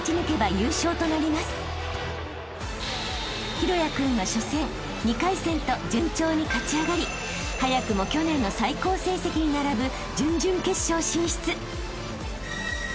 ［大也君は初戦２回戦と順調に勝ち上がり早くも去年の最高成績に並ぶ準々決勝進出］